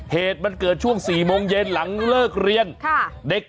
เหตุมันเกิดช่วง๔โมงเย็นหลังเลิกเรียน